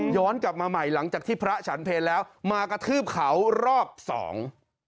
กลับมาใหม่หลังจากที่พระฉันเพลแล้วมากระทืบเขารอบสอง